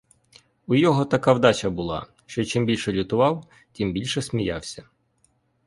У його така вдача була, що чим більше лютував, тим більше сміявся.